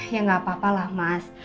ya nggak apa apa lah mas